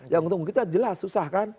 yang untung kita jelas susah kan